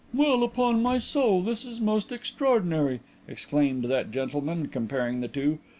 "Well, upon my soul this is most extraordinary," exclaimed that gentleman, comparing the two.